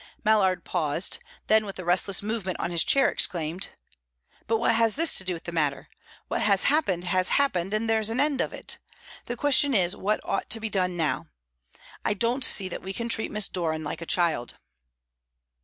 Mallard paused; then, with a restless movement on his chair exclaimed: "But what has this to do with the matter? What has happened has happened, and there's an end of it. The question is, what ought to be done now? I don't see that we can treat Miss Doran like a child."